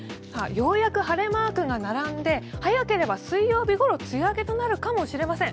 ようやく晴れマークが並んで早ければ水曜日ごろ梅雨明けとなるかもしれません。